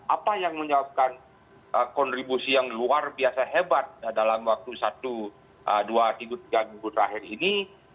apa yang menyebabkan kontribusi yang luar biasa hebat dalam waktu satu dua tiga minggu terakhir ini